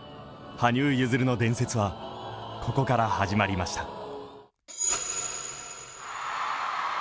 羽生結弦の伝説はここから始まりました。